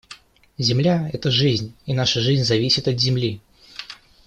Земля — это жизнь, и наша жизнь зависит от земли.